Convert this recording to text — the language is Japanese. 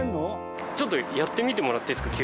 ちょっとやってみてもらっていいですか？